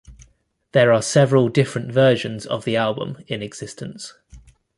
There are several different versions of the album in existence.